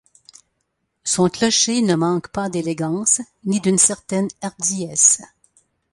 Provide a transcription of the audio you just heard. Son clocher ne manque pas d'élégance ni d'une certaine hardiesse.